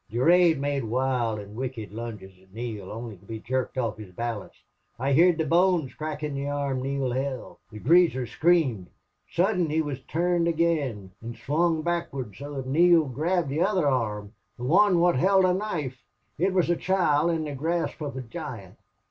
"Durade made wild an' wicked lunges at Neale, only to be jerked off his balance. I heerd the bones crack in the arm Neale held. The greaser screamed. Sudden he wuz turned agin, an' swung backwards so thot Neale grabbed the other arm the wan wot held the knife. It wuz a child in the grasp of a giant.